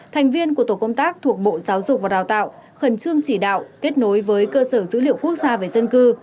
thành viên của tổ công tác thuộc bộ giáo dục và đào tạo khẩn trương chỉ đạo kết nối với cơ sở dữ liệu quốc gia về dân cư